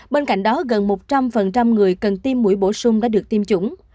bên cạnh đó gần một trăm linh người cần tiêm mũi bổ sung đã được tiêm chủng